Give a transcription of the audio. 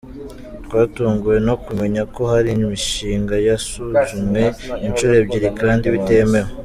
Twatunguwe no kumenya ko hari imishinga yasuzumwe inshuro ebyiri kandi bitemewe.